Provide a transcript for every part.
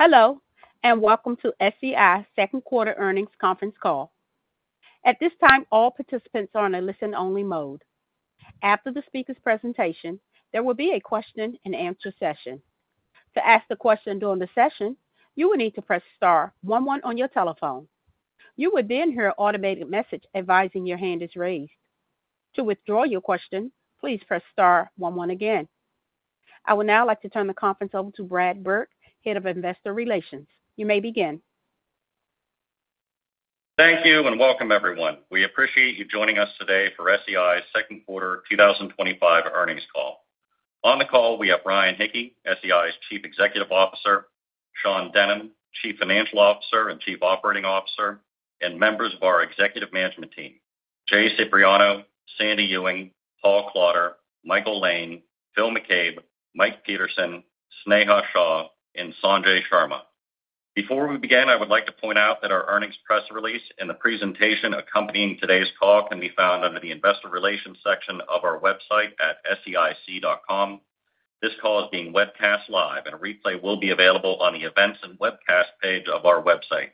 Hello, and welcome to SEI Second Quarter Earnings Conference Call. At this time, all participants are in a listen-only mode. After the speaker's presentation, there will be a question-and-answer session. To ask a question during the session, you will need to press star one one on your telephone. You will then hear an automated message advising your hand is raised. To withdraw your question, please press star one one again. I would now like to turn the conference over to Brad Burke, Head of Investor Relations. You may begin. Thank you, and welcome, everyone. We appreciate you joining us today for SEI's Second Quarter 2025 Earnings Call. On the call, we have Ryan Hickey, SEI's Chief Executive Officer; Sean Denham, Chief Financial Officer and Chief Operating Officer; and members of our Executive Management Team: Jay Cipriano, Sandy Ewing, Paul Klauder, Michael Lane, Phil McCabe, Mike Peterson, Sneha Shah, and Sanjay Sharma. Before we begin, I would like to point out that our earnings press release and the presentation accompanying today's call can be found under the Investor Relations section of our website at seic.com. This call is being webcast live, and a replay will be available on the Events and Webcasts page of our website.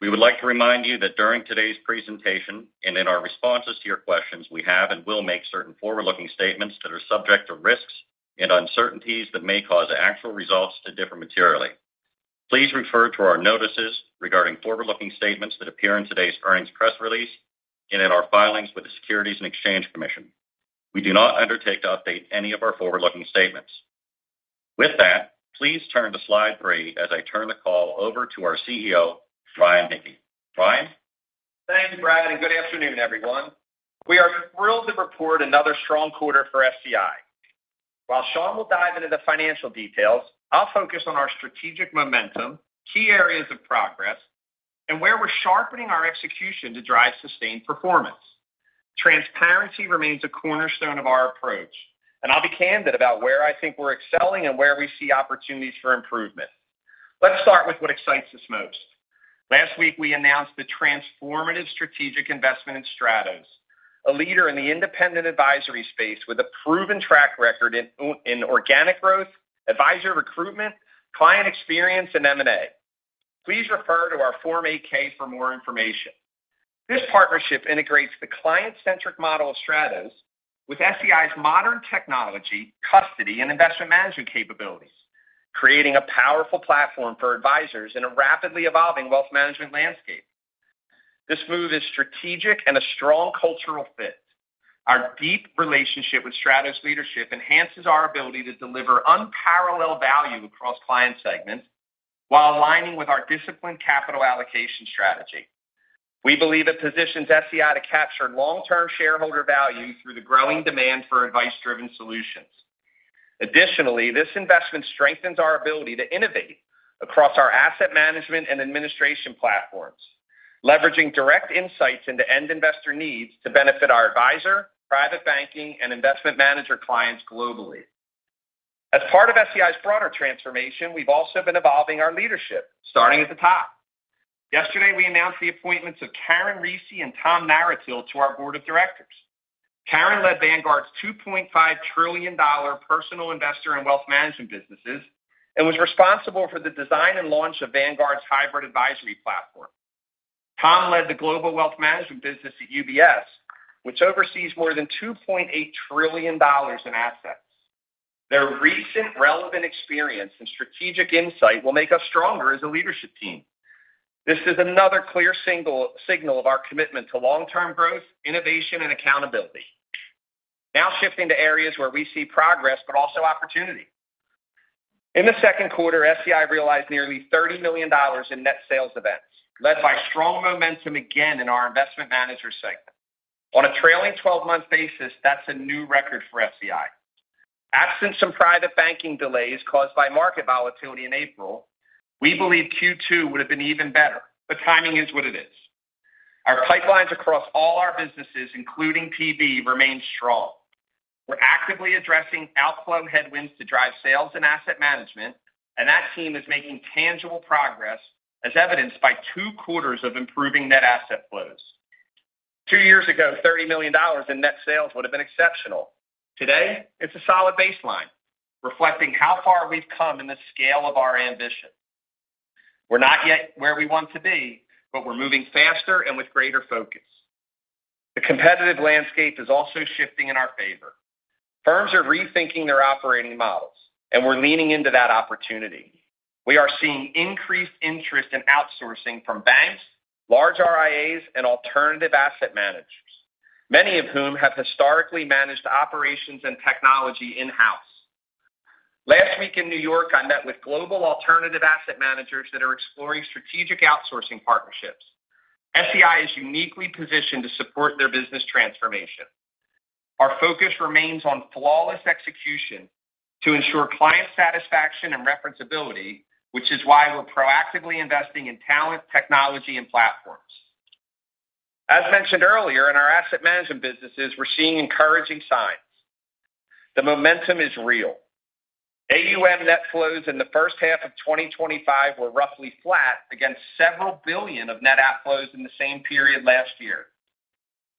We would like to remind you that during today's presentation and in our responses to your questions, we have and will make certain forward-looking statements that are subject to risks and uncertainties that may cause actual results to differ materially. Please refer to our notices regarding forward-looking statements that appear in today's earnings press release and in our filings with the Securities and Exchange Commission. We do not undertake to update any of our forward-looking statements. With that, please turn to slide three as I turn the call over to our CEO, Ryan Hicke. Ryan? Thank you, Brad, and good afternoon, everyone. We are thrilled to report another strong quarter for SEI. While Sean will dive into the financial details, I'll focus on our strategic momentum, key areas of progress, and where we're sharpening our execution to drive sustained performance. Transparency remains a cornerstone of our approach, and I'll be candid about where I think we're excelling and where we see opportunities for improvement. Let's start with what excites us most. Last week, we announced the transformative strategic investment in Stratos, a leader in the independent advisory space with a proven track record in organic growth, advisory recruitment, client experience, and M&A. Please refer to our Form 8-K for more information. This partnership integrates the client-centric model of Stratos with SEI's modern technology, custody, and investment management capabilities, creating a powerful platform for advisors in a rapidly evolving wealth management landscape. This move is strategic and a strong cultural fit. Our deep relationship with Stratos leadership enhances our ability to deliver unparalleled value across client segments while aligning with our disciplined capital allocation strategy. We believe it positions SEI to capture long-term shareholder value through the growing demand for advice-driven solutions. Additionally, this investment strengthens our ability to innovate across our asset management and administration platforms, leveraging direct insights into end investor needs to benefit our advisor, private banking, and investment manager clients globally. As part of SEI's broader transformation, we've also been evolving our leadership, starting at the top. Yesterday, we announced the appointments of Karin Risi and Tom Naratil to our Board of Directors. Karin led Vanguard's $2.5 trillion personal investor and wealth management businesses and was responsible for the design and launch of Vanguard's hybrid advisory platform. Tom led the global wealth management business at UBS, which oversees more than $2.8 trillion in assets. Their recent relevant experience and strategic insight will make us stronger as a leadership team. This is another clear signal of our commitment to long-term growth, innovation, and accountability. Now shifting to areas where we see progress but also opportunity. In the second quarter, SEI realized nearly $30 million in net sales events, led by strong momentum again in our investment manager segment. On a trailing 12-month basis, that's a new record for SEI. Absent some private banking delays caused by market volatility in April, we believe Q2 would have been even better, but timing is what it is. Our pipelines across all our businesses, including PB, remain strong. We're actively addressing outflow headwinds to drive sales and asset management, and that team is making tangible progress, as evidenced by two quarters of improving net asset flows. Two years ago, $30 million in net sales would have been exceptional. Today, it's a solid baseline, reflecting how far we've come in the scale of our ambition. We're not yet where we want to be, but we're moving faster and with greater focus. The competitive landscape is also shifting in our favor. Firms are rethinking their operating models, and we're leaning into that opportunity. We are seeing increased interest in outsourcing from banks, large RIAs, and alternative asset managers, many of whom have historically managed operations and technology in-house. Last week in New York, I met with global alternative asset managers that are exploring strategic outsourcing partnerships. SEI is uniquely positioned to support their business transformation. Our focus remains on flawless execution to ensure client satisfaction and referenceability, which is why we're proactively investing in talent, technology, and platforms. As mentioned earlier, in our asset management businesses, we're seeing encouraging signs. The momentum is real. AUM net flows in the first half of 2025 were roughly flat against several billion of net outflows in the same period last year.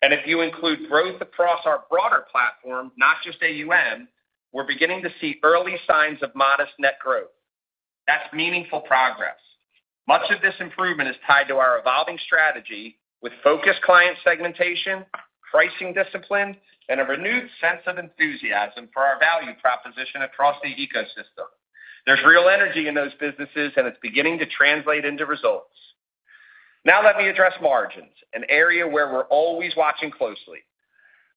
If you include growth across our broader platform, not just AUM, we're beginning to see early signs of modest net growth. That's meaningful progress. Much of this improvement is tied to our evolving strategy with focused client segmentation, pricing discipline, and a renewed sense of enthusiasm for our value proposition across the ecosystem. There's real energy in those businesses, and it's beginning to translate into results. Now let me address margins, an area where we're always watching closely.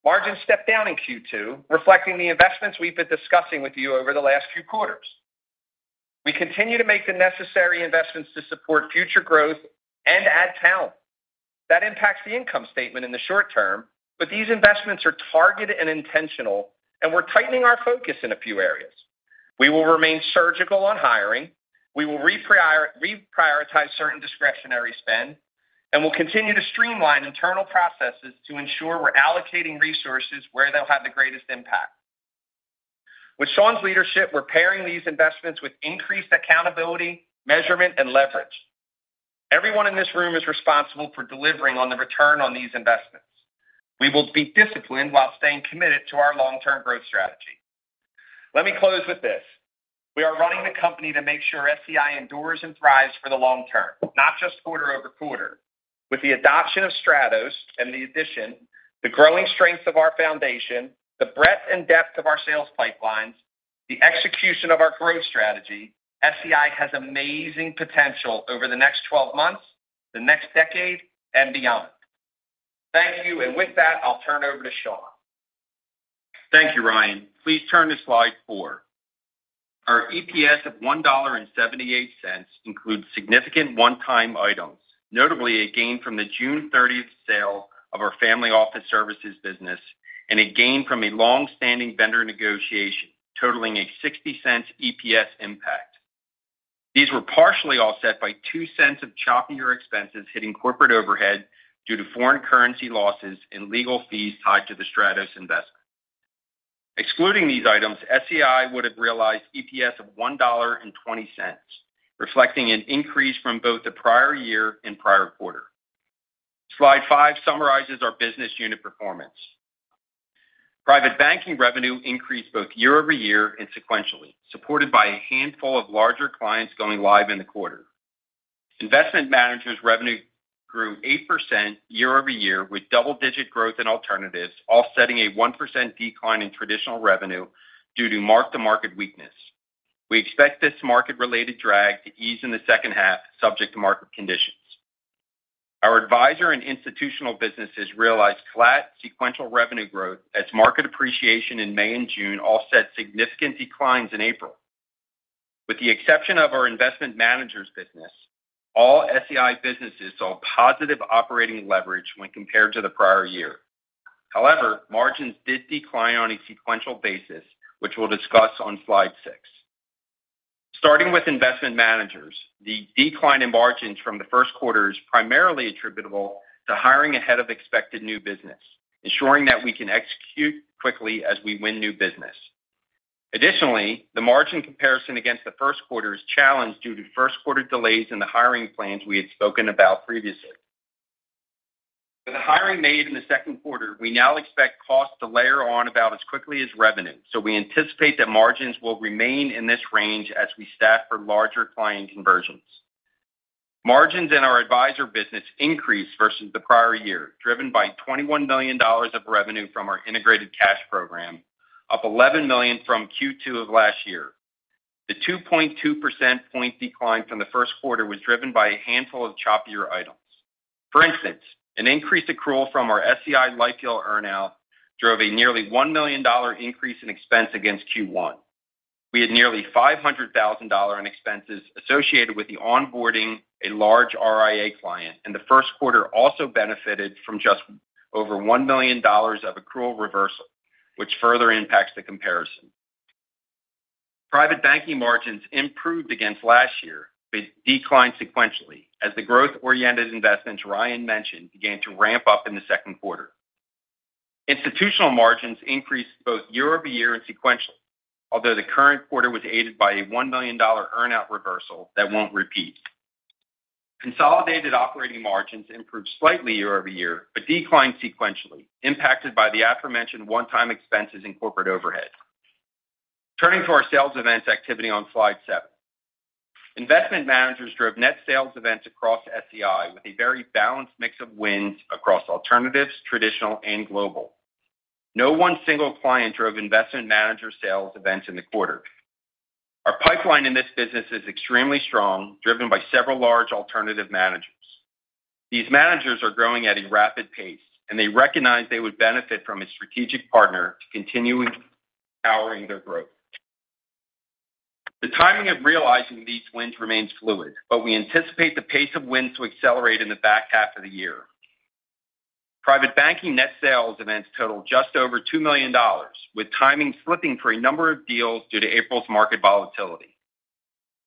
Margins stepped down in Q2, reflecting the investments we've been discussing with you over the last few quarters. We continue to make the necessary investments to support future growth and add talent. That impacts the income statement in the short term, but these investments are targeted and intentional, and we're tightening our focus in a few areas. We will remain surgical on hiring. We will reprioritize certain discretionary spend and will continue to streamline internal processes to ensure we're allocating resources where they'll have the greatest impact. With Sean's leadership, we're pairing these investments with increased accountability, measurement, and leverage. Everyone in this room is responsible for delivering on the return on these investments. We will be disciplined while staying committed to our long-term growth strategy. Let me close with this: we are running the company to make sure SEI endures and thrives for the long term, not just quarter over quarter. With the adoption of Stratos and the addition, the growing strength of our foundation, the breadth and depth of our sales pipelines, the execution of our growth strategy, SEI has amazing potential over the next 12 months, the next decade, and beyond. Thank you, and with that, I'll turn it over to Sean. Thank you, Ryan. Please turn to slide four. Our EPS of $1.78 includes significant one-time items, notably a gain from the June 30 sale of our family office services business and a gain from a long-standing vendor negotiation totaling a $0.60 EPS impact. These were partially offset by $0.02 of choppier expenses hitting corporate overhead due to foreign currency losses and legal fees tied to the Stratos investment. Excluding these items, SEI would have realized EPS of $1.20, reflecting an increase from both the prior year and prior quarter. Slide five summarizes our business unit performance. Private banking revenue increased both year-over-year and sequentially, supported by a handful of larger clients going live in the quarter. Investment managers' revenue grew 8% year-over-year with double-digit growth in alternatives, offsetting a 1% decline in traditional revenue due to mark-to-market weakness. We expect this market-related drag to ease in the second half, subject to market conditions. Our advisor and institutional businesses realized flat sequential revenue growth as market appreciation in May and June offset significant declines in April. With the exception of our investment managers' business, all SEI businesses saw positive operating leverage when compared to the prior year. However, margins did decline on a sequential basis, which we will discuss on slide six. Starting with investment managers, the decline in margins from the first quarter is primarily attributable to hiring ahead of expected new business, ensuring that we can execute quickly as we win new business. Additionally, the margin comparison against the first quarter is challenged due to first-quarter delays in the hiring plans we had spoken about previously. For the hiring made in the second quarter, we now expect costs to layer on about as quickly as revenue, so we anticipate that margins will remain in this range as we staff for larger client conversions. Margins in our advisor business increased versus the prior year, driven by $21 million of revenue from our Integrated Cash Program, up $11 million from Q2 of last year. The 2.2% point decline from the first quarter was driven by a handful of choppier items. For instance, an increased accrual from our SEI Lifetale earnout drove a nearly $1 million increase in expense against Q1. We had nearly $500,000 in expenses associated with the onboarding of a large RIA client, and the first quarter also benefited from just over $1 million of accrual reversal, which further impacts the comparison. Private banking margins improved against last year, but declined sequentially as the growth-oriented investments Ryan mentioned began to ramp up in the second quarter. Institutional margins increased both year-over-year and sequentially, although the current quarter was aided by a $1 million earnout reversal that will not repeat. Consolidated operating margins improved slightly year-over-year but declined sequentially, impacted by the aforementioned one-time expenses and corporate overhead. Turning to our sales events activity on slide seven, investment managers drove net sales events across SEI with a very balanced mix of wins across alternatives, traditional, and global. No one single client drove investment manager sales events in the quarter. Our pipeline in this business is extremely strong, driven by several large alternative managers. These managers are growing at a rapid pace, and they recognize they would benefit from a strategic partner to continue powering their growth. The timing of realizing these wins remains fluid, but we anticipate the pace of wins to accelerate in the back half of the year. Private banking net sales events total just over $2 million, with timing slipping for a number of deals due to April's market volatility.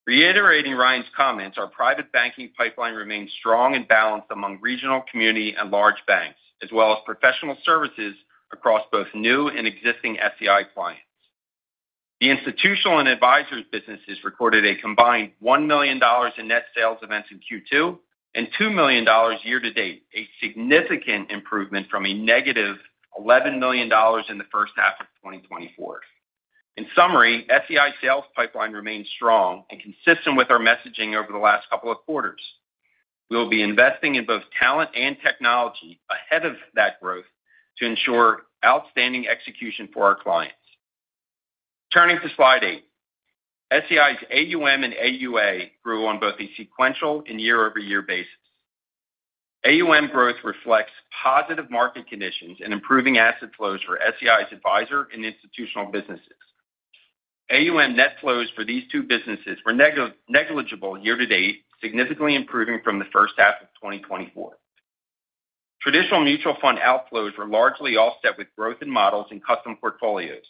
Reiterating Ryan's comments, our private banking pipeline remains strong and balanced among regional, community, and large banks, as well as professional services across both new and existing SEI clients. The institutional and advisors' businesses recorded a combined $1 million in net sales events in Q2 and $2 million year to date, a significant improvement from a negative $11 million in the first half of 2024. In summary, SEI's sales pipeline remains strong and consistent with our messaging over the last couple of quarters. We will be investing in both talent and technology ahead of that growth to ensure outstanding execution for our clients. Turning to slide eight, SEI's AUM and AUA grew on both a sequential and year-over-year basis. AUM growth reflects positive market conditions and improving asset flows for SEI's advisor and institutional businesses. AUM net flows for these two businesses were negligible year to date, significantly improving from the first half of 2024. Traditional mutual fund outflows were largely offset with growth in models and custom portfolios.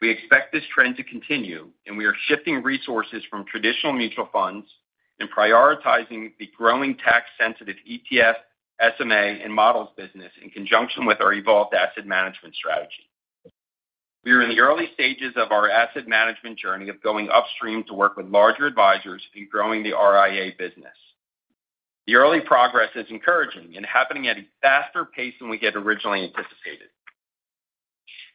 We expect this trend to continue, and we are shifting resources from traditional mutual funds and prioritizing the growing tax-sensitive ETF, SMA, and models business in conjunction with our evolved asset management strategy. We are in the early stages of our asset management journey of going upstream to work with larger advisors and growing the RIA business. The early progress is encouraging and happening at a faster pace than we had originally anticipated.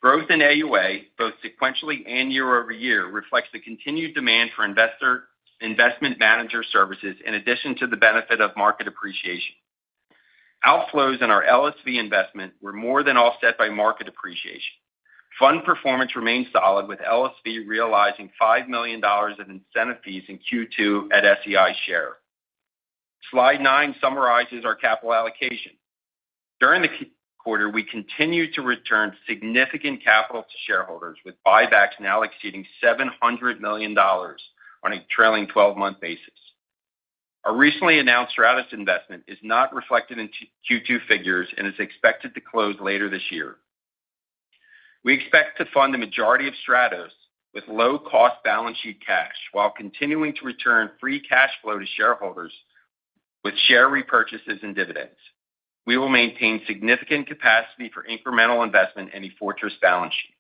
Growth in AUA, both sequentially and year over year, reflects the continued demand for investment manager services in addition to the benefit of market appreciation. Outflows in our LSV investment were more than offset by market appreciation. Fund performance remains solid, with LSV realizing $5 million of incentive fees in Q2 at SEI's share. Slide nine summarizes our capital allocation. During the quarter, we continued to return significant capital to shareholders, with buybacks now exceeding $700 million on a trailing 12-month basis. Our recently announced Stratos investment is not reflected in Q2 figures and is expected to close later this year. We expect to fund the majority of Stratos with low-cost balance sheet cash while continuing to return free cash flow to shareholders with share repurchases and dividends. We will maintain significant capacity for incremental investment in a fortress balance sheet.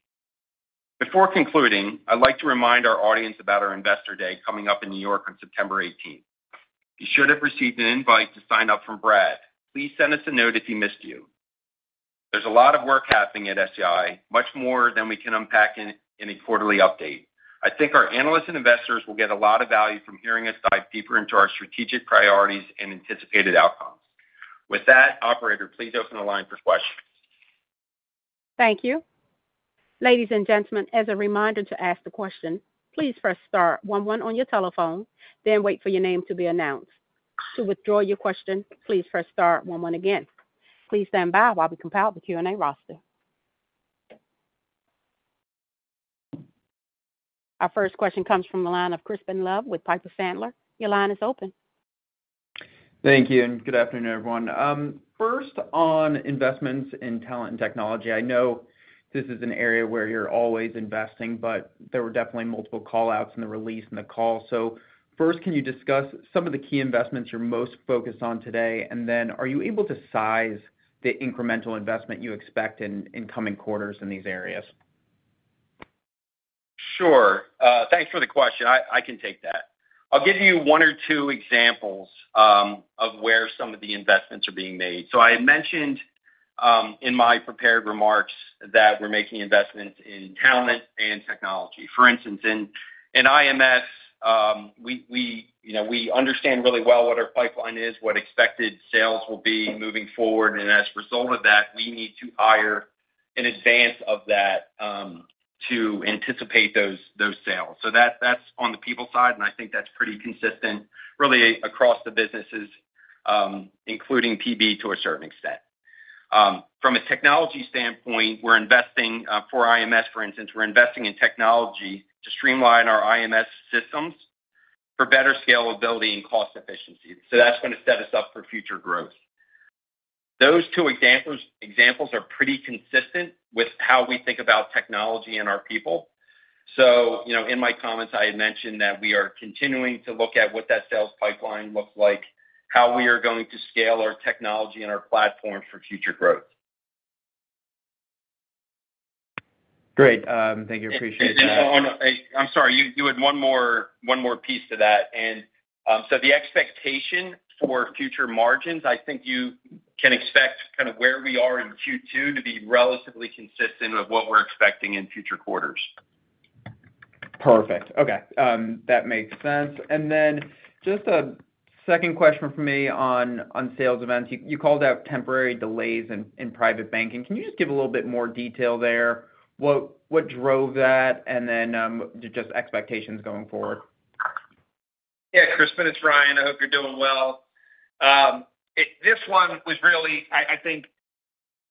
Before concluding, I'd like to remind our audience about our Investor Day coming up in New York on September 18th. You should have received an invite to sign up from Brad. Please send us a note if he missed you. There's a lot of work happening at SEI, much more than we can unpack in a quarterly update. I think our analysts and investors will get a lot of value from hearing us dive deeper into our strategic priorities and anticipated outcomes. With that, Operator, please open the line for questions. Thank you. Ladies and gentlemen, as a reminder to ask the question, please press star one one on your telephone, then wait for your name to be announced. To withdraw your question, please press star one one again. Please stand by while we compile the Q&A roster. Our first question comes from the line of Crispin Love with Piper Sandler. Your line is open. Thank you, and good afternoon, everyone. First, on investments in talent and technology, I know this is an area where you're always investing, but there were definitely multiple callouts in the release and the call. First, can you discuss some of the key investments you're most focused on today, and then are you able to size the incremental investment you expect in coming quarters in these areas? Sure. Thanks for the question. I can take that. I'll give you one or two examples of where some of the investments are being made. I had mentioned in my prepared remarks that we're making investments in talent and technology. For instance, in IMS, we understand really well what our pipeline is, what expected sales will be moving forward, and as a result of that, we need to hire in advance of that to anticipate those sales. That's on the people side, and I think that's pretty consistent, really, across the businesses, including PB to a certain extent. From a technology standpoint, we're investing for IMS, for instance, we're investing in technology to streamline our IMS systems for better scalability and cost efficiency. That's going to set us up for future growth. Those two examples are pretty consistent with how we think about technology and our people. In my comments, I had mentioned that we are continuing to look at what that sales pipeline looks like, how we are going to scale our technology and our platform for future growth. Great. Thank you. I appreciate that. I'm sorry. You had one more piece to that. The expectation for future margins, I think you can expect kind of where we are in Q2 to be relatively consistent with what we're expecting in future quarters. Perfect. Okay. That makes sense. Just a second question for me on sales events. You called out temporary delays in private banking. Can you just give a little bit more detail there? What drove that, and just expectations going forward? Yeah, Crispin, it's Ryan. I hope you're doing well. This one was really, I think.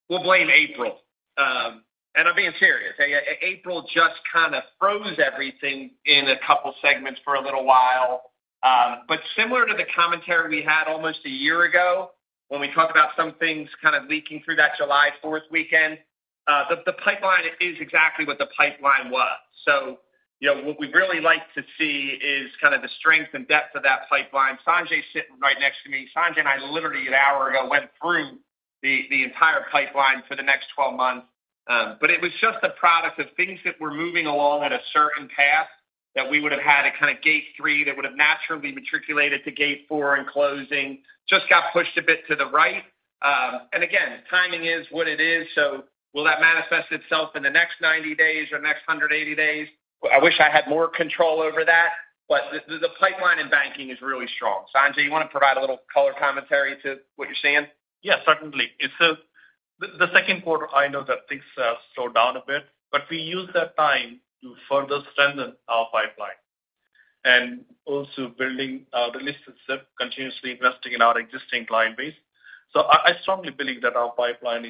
We'll blame April. And I'm being serious. April just kind of froze everything in a couple of segments for a little while. But similar to the commentary we had almost a year ago when we talked about some things kind of leaking through that July 4th weekend. The pipeline is exactly what the pipeline was. So what we'd really like to see is kind of the strength and depth of that pipeline. Sanjay's sitting right next to me. Sanjay and I literally an hour ago went through the entire pipeline for the next 12 months. But it was just the product of things that were moving along at a certain path that we would have had at kind of gate three, that would have naturally matriculated to gate four and closing, just got pushed a bit to the right. And again, timing is what it is. So will that manifest itself in the next 90 days or next 180 days? I wish I had more control over that, but the pipeline in banking is really strong. Sanjay, you want to provide a little color commentary to what you're seeing? Yeah, certainly. The second quarter, I know that things slowed down a bit, but we used that time to further strengthen our pipeline and also building relationships, continuously investing in our existing client base. I strongly believe that our pipeline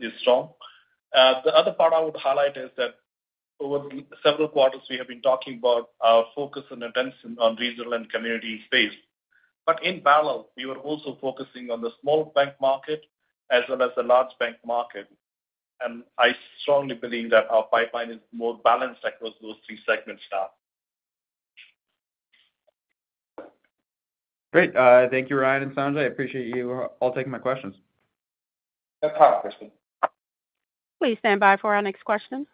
is strong. The other part I would highlight is that over several quarters, we have been talking about our focus and attention on regional and community space. In parallel, we were also focusing on the small bank market as well as the large bank market. I strongly believe that our pipeline is more balanced across those three segments now. Great. Thank you, Ryan and Sanjay. I appreciate you all taking my questions. No problem, Crispin. Please stand by for our next question.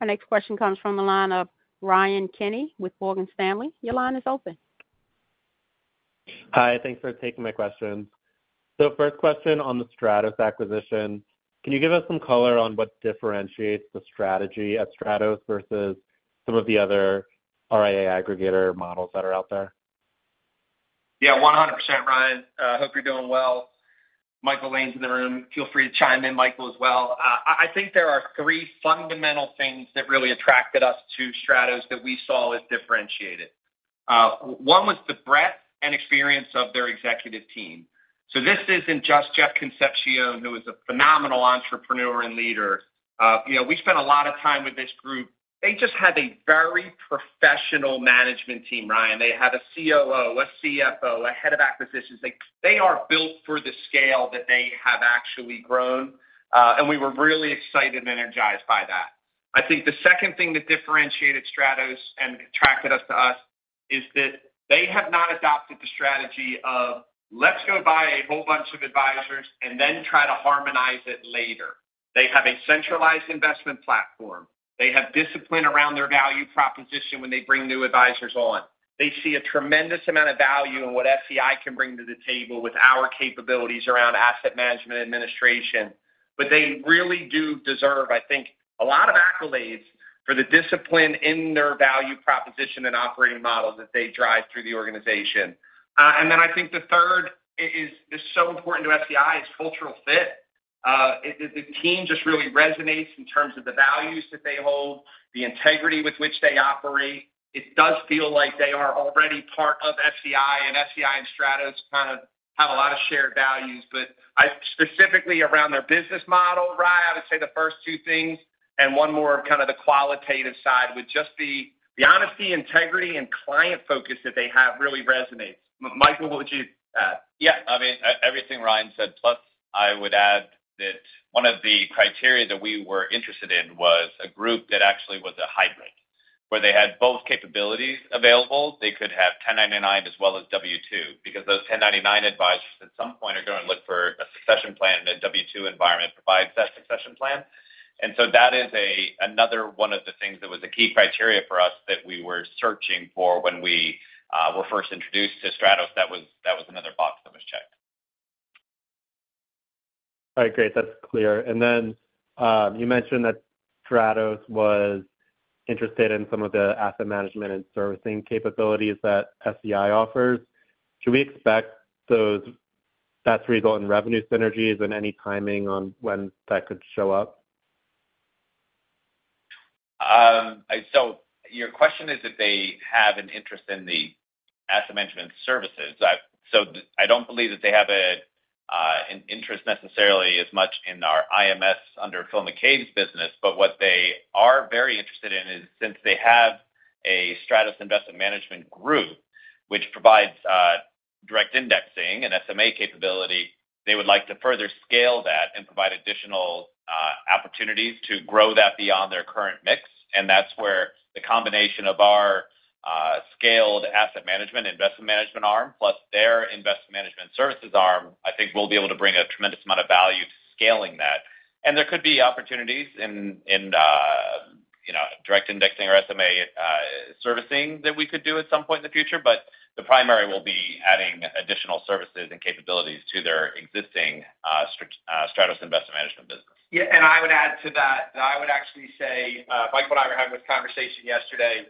Our next question comes from the line of Ryan Kenny with Morgan Stanley. Your line is open. Hi. Thanks for taking my questions. First question on the Stratos acquisition. Can you give us some color on what differentiates the strategy at Stratos versus some of the other RIA aggregator models that are out there? Yeah, 100%, Ryan. I hope you're doing well. Michael Lane's in the room. Feel free to chime in, Michael, as well. I think there are three fundamental things that really attracted us to Stratos that we saw as differentiated. One was the breadth and experience of their executive team. This isn't just Jeff Concepcion, who is a phenomenal entrepreneur and leader. We spent a lot of time with this group. They just have a very professional management team, Ryan. They have a COO, a CFO, a head of acquisitions. They are built for the scale that they have actually grown. We were really excited and energized by that. I think the second thing that differentiated Stratos and attracted us to us is that they have not adopted the strategy of, "Let's go buy a whole bunch of advisors and then try to harmonize it later." They have a centralized investment platform. They have discipline around their value proposition when they bring new advisors on. They see a tremendous amount of value in what SEI can bring to the table with our capabilities around asset management administration. They really do deserve, I think, a lot of accolades for the discipline in their value proposition and operating model that they drive through the organization. I think the third is so important to SEI is cultural fit. The team just really resonates in terms of the values that they hold, the integrity with which they operate. It does feel like they are already part of SEI, and SEI and Stratos kind of have a lot of shared values. Specifically around their business model, Ryan, I would say the first two things and one more of kind of the qualitative side would just be the honesty, integrity, and client focus that they have really resonates. Michael, what would you add? Yeah. I mean, everything Ryan said, plus I would add that one of the criteria that we were interested in was a group that actually was a hybrid, where they had both capabilities available. They could have 1099 as well as W-2 because those 1099 advisors at some point are going to look for a succession plan in a W-2 environment, provide that succession plan. That is another one of the things that was a key criteria for us that we were searching for when we were first introduced to Stratos. That was another box that was checked. All right. Great. That's clear. You mentioned that Stratos was interested in some of the asset management and servicing capabilities that SEI offers. Should we expect that to result in revenue synergies and any timing on when that could show up? Your question is if they have an interest in the asset management services. I don't believe that they have an interest necessarily as much in our IMS under Phil McCabe's business, but what they are very interested in is since they have a Stratos investment management group, which provides direct indexing and SMA capability, they would like to further scale that and provide additional opportunities to grow that beyond their current mix. That is where the combination of our scaled asset management, investment management arm, plus their investment management services arm, I think we will be able to bring a tremendous amount of value to scaling that. There could be opportunities in direct indexing or SMA servicing that we could do at some point in the future, but the primary will be adding additional services and capabilities to their existing Stratos investment management business. Yeah. I would add to that that I would actually say, Michael and I were having this conversation yesterday.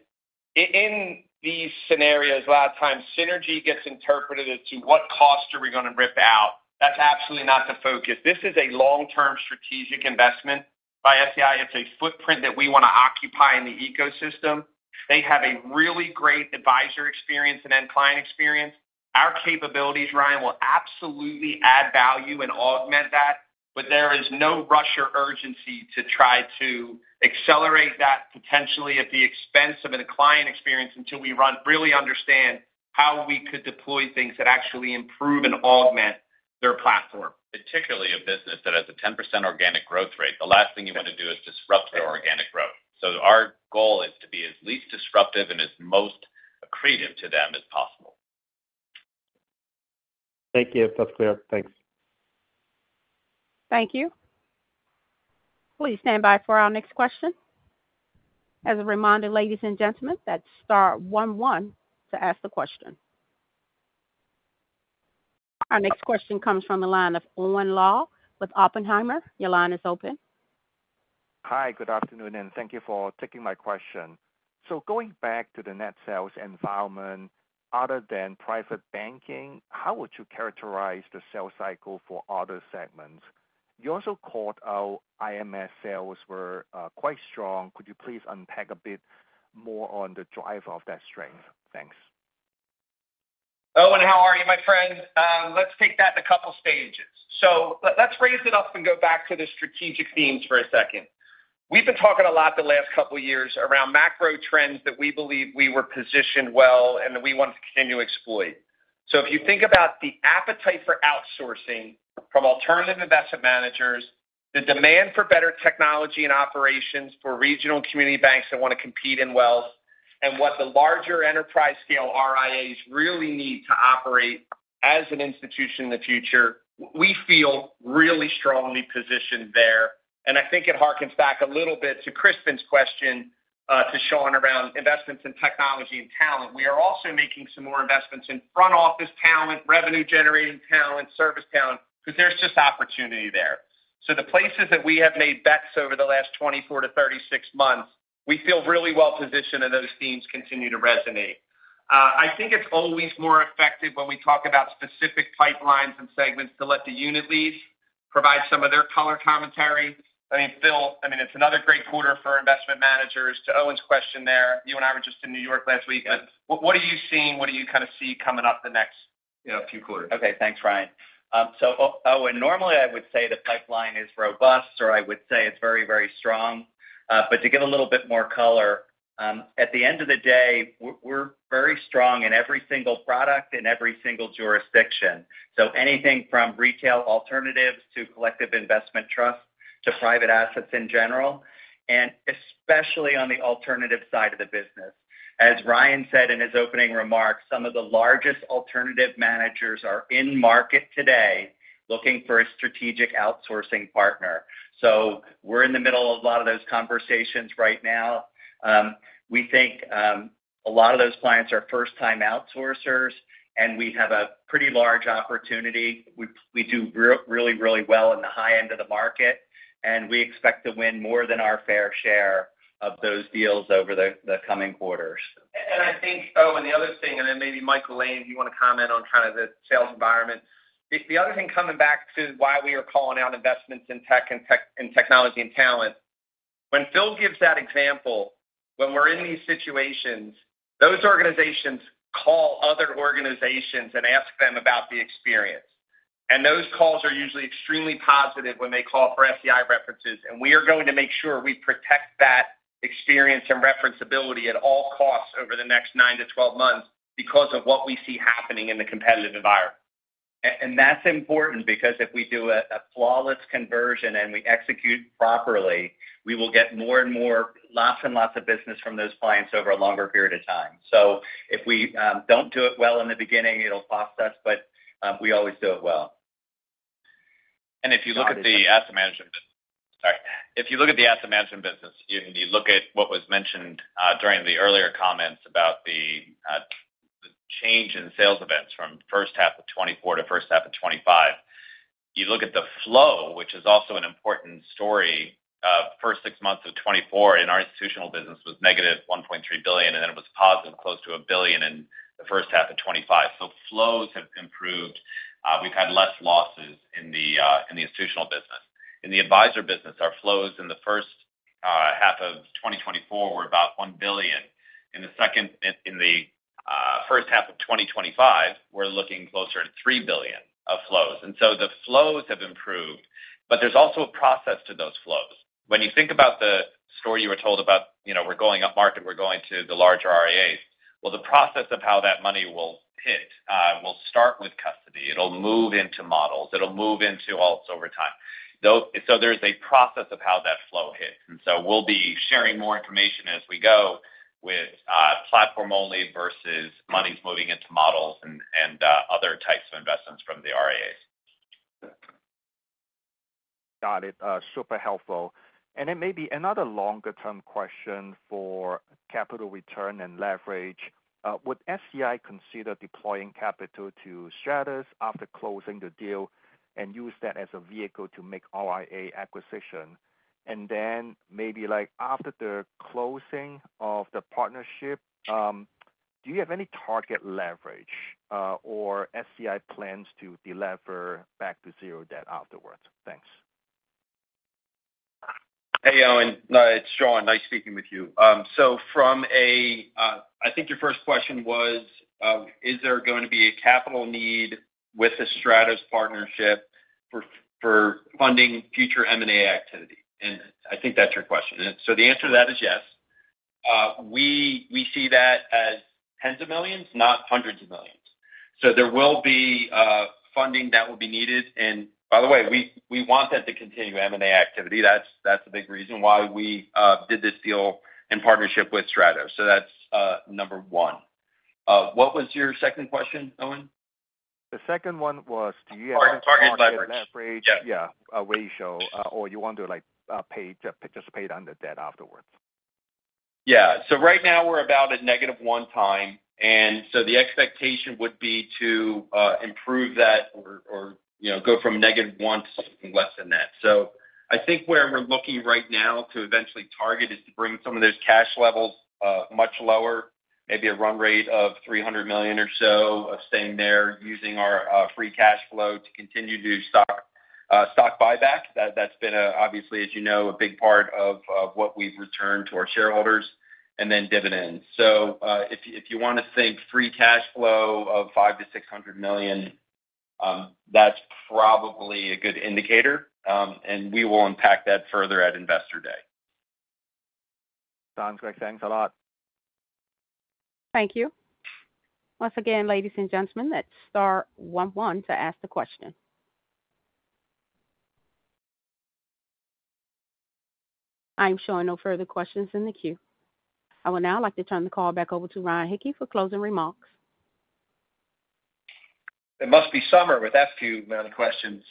In these scenarios last time, synergy gets interpreted as to what cost are we going to rip out. That is absolutely not the focus. This is a long-term strategic investment by SEI. It is a footprint that we want to occupy in the ecosystem. They have a really great advisor experience and end client experience. Our capabilities, Ryan, will absolutely add value and augment that, but there is no rush or urgency to try to accelerate that potentially at the expense of a client experience until we really understand how we could deploy things that actually improve and augment their platform. Particularly a business that has a 10% organic growth rate, the last thing you want to do is disrupt their organic growth. Our goal is to be as least disruptive and as most accretive to them as possible. Thank you. That's clear. Thanks. Thank you. Please stand by for our next question. As a reminder, ladies and gentlemen, that's star one one to ask the question. Our next question comes from the line of Owen Lau with Oppenheimer. Your line is open. Hi. Good afternoon, and thank you for taking my question. Going back to the net sales environment, other than private banking, how would you characterize the sales cycle for other segments? You also called out IMS sales were quite strong. Could you please unpack a bit more on the drive of that strength? Thanks. Owen, how are you, my friend? Let's take that in a couple of stages. Let's raise it up and go back to the strategic themes for a second. We've been talking a lot the last couple of years around macro trends that we believe we were positioned well and that we want to continue to exploit. If you think about the appetite for outsourcing from alternative investment managers, the demand for better technology and operations for regional and community banks that want to compete in wealth, and what the larger enterprise-scale RIAs really need to operate as an institution in the future, we feel really strongly positioned there. I think it harkens back a little bit to Crispin's question to Sean around investments in technology and talent. We are also making some more investments in front office talent, revenue-generating talent, service talent, because there's just opportunity there. The places that we have made bets over the last 24-36 months, we feel really well positioned and those themes continue to resonate. I think it's always more effective when we talk about specific pipelines and segments to let the unit leads provide some of their color commentary. I mean, Phil, it's another great quarter for investment managers. To Owen's question there, you and I were just in New York last week. What are you seeing? What do you kind of see coming up the next few quarters? Okay. Thanks, Ryan. Owen, normally I would say the pipeline is robust, or I would say it's very, very strong. To give a little bit more color, at the end of the day, we're very strong in every single product in every single jurisdiction. Anything from retail alternatives to collective investment trusts to private assets in general, and especially on the alternative side of the business. As Ryan said in his opening remarks, some of the largest alternative managers are in market today looking for a strategic outsourcing partner. We're in the middle of a lot of those conversations right now. We think a lot of those clients are first-time outsourcers, and we have a pretty large opportunity. We do really, really well in the high end of the market, and we expect to win more than our fair share of those deals over the coming quarters. I think, Owen, the other thing, and then maybe Michael Lane, if you want to comment on kind of the sales environment, the other thing coming back to why we are calling out investments in tech and technology and talent, when Phil gives that example, when we are in these situations, those organizations call other organizations and ask them about the experience. Those calls are usually extremely positive when they call for SEI references. We are going to make sure we protect that experience and referenceability at all costs over the next 9-12 months because of what we see happening in the competitive environment. That's important because if we do a flawless conversion and we execute properly, we will get more and more, lots and lots of business from those clients over a longer period of time. If we do not do it well in the beginning, it will cost us, but we always do it well. If you look at the asset management business, and you look at what was mentioned during the earlier comments about the change in sales events from the first half of 2024 to the first half of 2025, you look at the flow, which is also an important story. The first six months of 2024 in our institutional business was -$1.3 billion, and then it was positive, close to $1 billion in the first half of 2025. Flows have improved. We have had fewer losses in the institutional business. In the advisor business, our flows in the first half of 2024 were about $1 billion. In the first half of 2025, we are looking closer to $3 billion of flows. The flows have improved, but there is also a process to those flows. When you think about the story you were told about, "We're going up market, we're going to the larger RIAs," the process of how that money will hit will start with custody. It will move into models. It will move into Alts over time. There is a process of how that flow hits. We will be sharing more information as we go with platform-only versus money moving into models and other types of investments from the RIAs. Got it. Super helpful. Maybe another longer-term question for capital return and leverage. Would SEI consider deploying capital to Stratos after closing the deal and use that as a vehicle to make RIA acquisition? Maybe after the closing of the partnership, do you have any target leverage or SEI plans to deliver back to zero debt afterwards? Thanks. Hey, Owen. It's Sean. Nice speaking with you. From a, I think your first question was, is there going to be a capital need with the Stratos partnership for funding future M&A activity? I think that's your question. The answer to that is yes. We see that as tens of millions, not hundreds of millions. There will be funding that will be needed. By the way, we want that to continue M&A activity. That's a big reason why we did this deal in partnership with Stratos. That's number one. What was your second question, Owen? The second one was, do you have a target leverage? Target leverage. Yeah, a ratio, or you want to participate under debt afterwards? Yeah. Right now, we're about at negative one time. The expectation would be to improve that or go from -1 to something less than that. I think where we're looking right now to eventually target is to bring some of those cash levels much lower, maybe a run rate of $300 million or so, of staying there using our free cash flow to continue to do stock buyback. That's been, obviously, as you know, a big part of what we've returned to our shareholders, and then dividends. If you want to think free cash flow of $500 million-$600 million, that's probably a good indicator. We will unpack that further at investor day. Sounds great. Thanks a lot. Thank you. Once again, ladies and gentlemen, that is star one one to ask the question. I am showing no further questions in the queue. I would now like to turn the call back over to Ryan Hickey for closing remarks. It must be summer with that few amount of questions.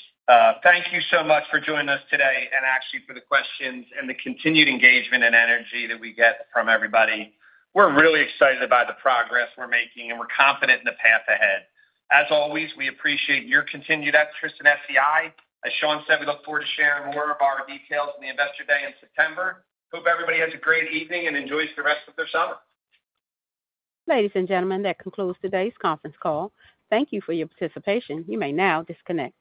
Thank you so much for joining us today and actually for the questions and the continued engagement and energy that we get from everybody. We're really excited about the progress we're making, and we're confident in the path ahead. As always, we appreciate your continued efforts in SEI. As Sean said, we look forward to sharing more of our details in the investor day in September. Hope everybody has a great evening and enjoys the rest of their summer. Ladies and gentlemen, that concludes today's conference call. Thank you for your participation. You may now disconnect.